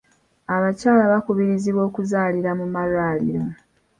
Abakyala bakubirizibwa okuzaalira mu malwaliro.